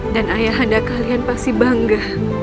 dan ayah anda kalian pasti bangga